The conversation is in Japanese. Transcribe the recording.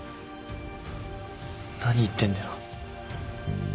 何言ってんだよ。